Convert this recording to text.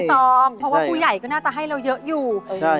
ต้องเพราะว่าผู้ใหญ่ก็น่าจะให้เราเยอะอยู่